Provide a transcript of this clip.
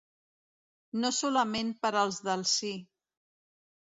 No solament per als del sí.